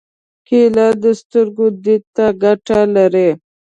کېله د سترګو دید ته ګټه لري.